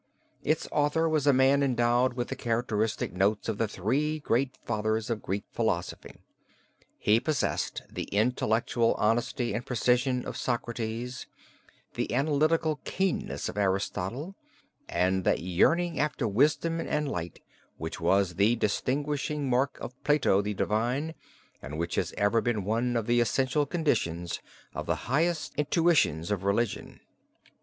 "Its author was a man endowed with the characteristic notes of the three great Fathers of Greek Philosophy: he possessed the intellectual honesty and precision of Socrates, the analytical keenness of Aristotle, and that yearning after wisdom and light which was the distinguishing mark of 'Plato the divine,' and which has ever been one of the essential conditions of the highest intuitions of religion."